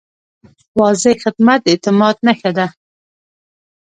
واضح خدمت د اعتماد نښه ده.